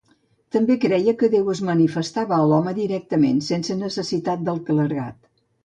També creia que Déu es manifestava a l'home directament, sense necessitat del clergat.